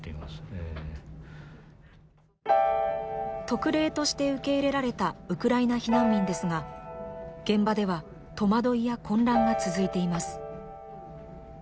特例として受け入れられたウクライナ避難民ですが現場ではとまどいや混乱が続いています。